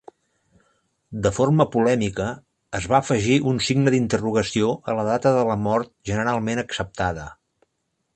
De forma polèmica, es va afegir un signe d'interrogació a la data de mort generalment acceptada.